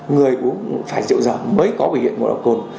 người uống phải rượu giờ mới có bị hiện ngộ độc cồn